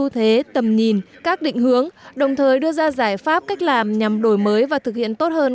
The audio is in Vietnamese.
ưu thế tầm nhìn các định hướng đồng thời đưa ra giải pháp cách làm nhằm đổi mới và thực hiện tốt hơn